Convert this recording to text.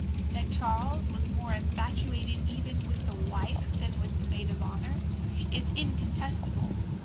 That Charles was more infatuated even with the wife than with the maid of honour is incontestable.